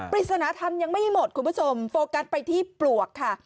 ปริศนธรรมยังไม่หมดคุณผู้ชมโฟกัสไปที่ปลวกค่ะ